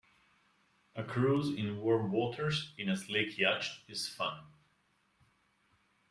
A cruise in warm waters in a sleek yacht is fun.